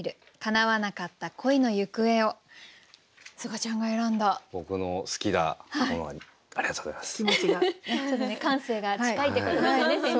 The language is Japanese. ちょっと感性が近いということですね先生。